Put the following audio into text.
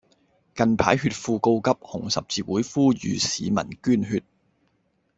近排血庫告急，紅十字會呼籲市民捐血